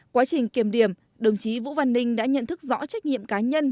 quá trình kiểm điểm đồng chí vũ văn ninh đã nhận thức rõ trách nhiệm cá nhân